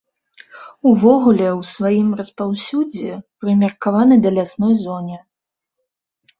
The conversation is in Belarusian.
Увогуле, у сваім распаўсюдзе прымеркаваны да лясной зоне.